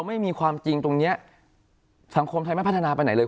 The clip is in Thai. ไม่มีความจริงตรงนี้สังคมไทยไม่พัฒนาไปไหนเลย